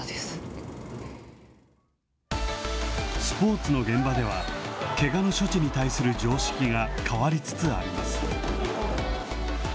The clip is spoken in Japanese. スポーツの現場では、けがの処置に対する常識が変わりつつあります。